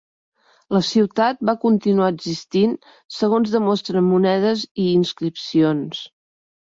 La ciutat va continuar existint segons demostren monedes i inscripcions.